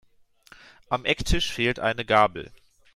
Am Ecktisch fehlt eine Gabel.